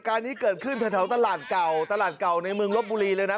การนี้เกิดขึ้นแถวตลาดเก่าตลาดเก่าในเมืองลบบุรีเลยนะ